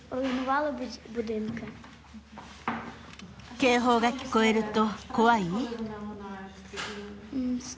警報が聞こえると怖い？